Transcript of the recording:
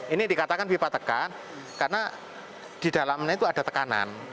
ini dikatakan pipa tekan karena di dalamnya itu ada tekanan